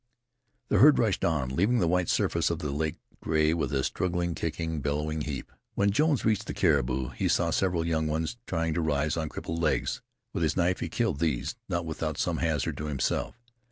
The herd rushed on, leaving the white surface of the lake gray with a struggling, kicking, bellowing heap. When Jones reached the caribou he saw several trying to rise on crippled legs. With his knife he killed these, not without some hazard to himself.